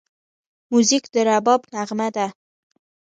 موزیک د رباب نغمه ده.